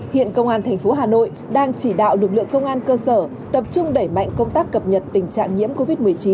hiện công an tp hà nội đang chỉ đạo lực lượng công an cơ sở tập trung đẩy mạnh công tác cập nhật tình trạng nhiễm covid một mươi chín